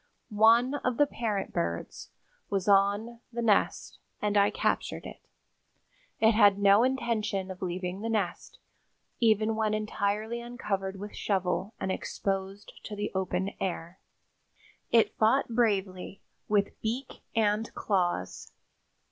One of the parent birds was on the nest, and I captured it. It had no intention of leaving the nest, even when entirely uncovered with shovel and exposed to the open air. It fought bravely with beak and claws.